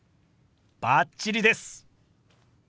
バッチリです！